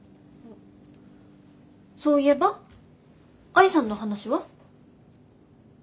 そういえば愛さんの話は？